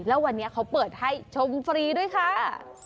แล้ววันนี้เขาเปิดให้ชมฟรีด้วยค่ะ